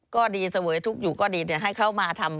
ก็ดีเสวยทุกข์อยู่ก็ดีเดี๋ยวให้เขามาทำ